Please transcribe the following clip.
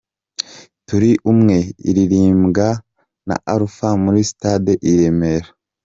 Turi umwe’ iririmbwa na Alpha muri Stade i Remera: .